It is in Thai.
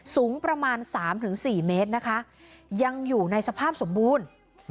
สูงประมาณ๓๔เมตรนะคะยังอยู่ในสภาพสมบูรณ์